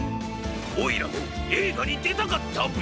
おいらもえいがにでたかったビ。